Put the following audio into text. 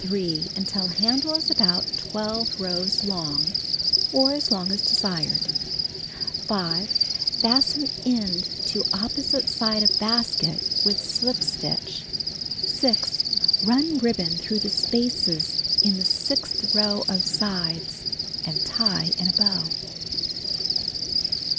3 until handle is about 12 rows long, or as long as desired. 5. Fasten end to opposite side of basket with slip stitch. 6. Run ribbon through the spaces in the sixth row of sides, and tie in a bow.